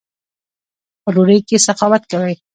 په ډوډۍ کښي سخاوت کوئ!